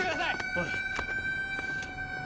おい。